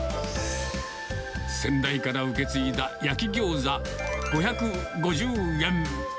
先代から受け継いだ焼き餃子５５０円。